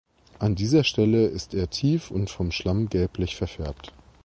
An dieser Stelle ist er tief und vom Schlamm gelblich verfärbt.